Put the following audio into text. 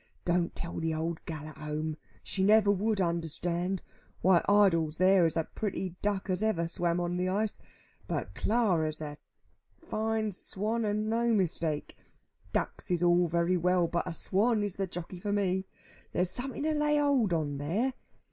Don't tell the old gal at home. She never would understand. Why Idols there is a pretty duck as ever swam on the ice. But Clara's a fine swan, and no mistake. Ducks is all very well, but a swan is the jockey for me. There's something to lay hold on there.